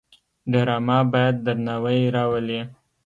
ډرامه باید درناوی راولي